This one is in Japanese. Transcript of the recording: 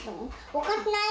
おかしない？